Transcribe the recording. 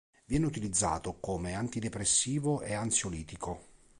Viene utilizzato come antidepressivo e ansiolitico.